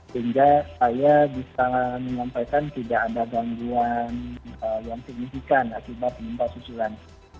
sehingga saya bisa menyampaikan tidak ada gangguan yang signifikan akibat gempa susulan